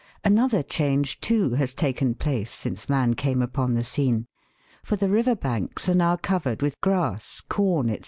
Another change, too, has taken place since man came upon the scene, for the river banks are now covered with grass, corn, &c.